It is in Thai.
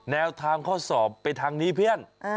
แนวทางข้อสอบไปทางนี้เพื่อน